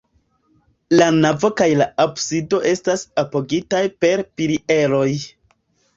La navo kaj la absido estas apogitaj per pilieroj.